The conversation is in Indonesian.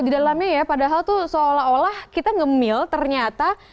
di dalamnya ya padahal tuh seolah olah kita ngemil ternyata